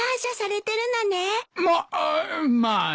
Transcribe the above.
ままあな。